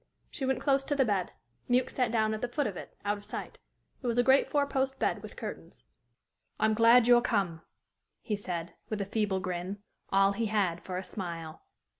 She went close to the bed. Mewks sat down at the foot of it, out of sight. It was a great four post bed, with curtains. "I'm glad you're come," he said, with a feeble grin, all he had for a smile.